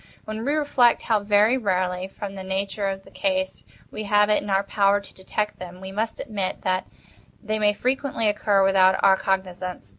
When we reflect how very rarely, from the nature of the case, we have it in our power to detect them, we must admit that they may frequently occur without our cognizance.